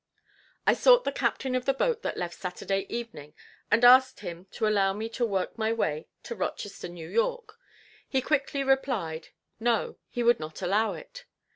I sought the captain of the boat that left Saturday evening, and asked him to allow me to work my way to Rochester, N. Y. He quickly replied: "No; he would not allow it."